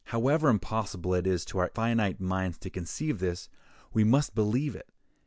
However impossible it is to our finite minds to conceive this, we must believe it.